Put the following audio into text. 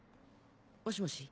もしもし？